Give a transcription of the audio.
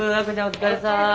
お疲れさまです。